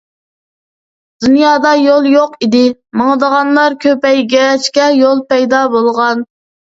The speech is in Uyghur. دۇنيادا يول يوق ئىدى، ماڭىدىغانلار كۆپەيگەچكە يول پەيدا بولغان.